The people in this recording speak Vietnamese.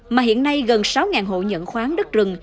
mà hiện nay gần sáu hộ nhận khoáng đất rừng